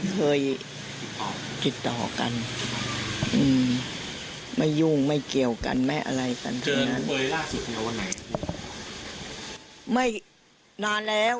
เคยติดต่อกันไม่ยุ่งไม่เกี่ยวกันไม่อะไรกันไม่นานแล้ว